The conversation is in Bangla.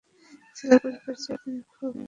ছেলের পরিবার চায় তুমি শীঘ্রই বিয়ে করো।